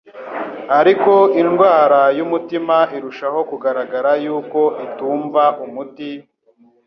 ariko indwara y'umutima irushaho kugaragara yuko itumva umuti,